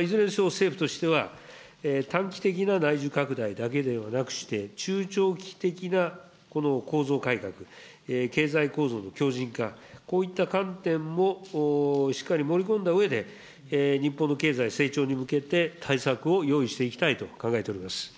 いずれにせよ、政府としては短期的な内需拡大だけではなくして、中長期的な構造改革、経済構造の強じん化、こういった観点もしっかり盛り込んだうえで、日本の経済成長に向けて対策を用意していきたいと考えております。